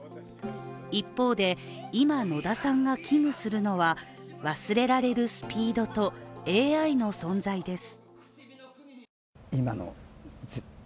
一方で、今、野田さんが危惧するのは忘れられるスピードとＡＩの存在です。